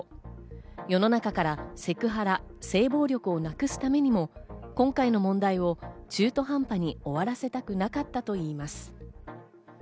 世の中からセクハラ・性暴力をなくすためにも、今回の問題を中途半端に終わらせたくなかったといいます。